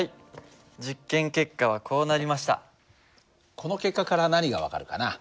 この結果から何が分かるかな？